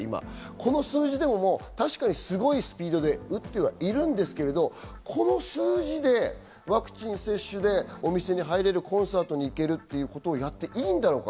この数字でも確かにすごいスピードで打ってはいるんですけど、この数字でワクチン接種でお店に入れる、コンサートに行けるということをやっていいんだろうか？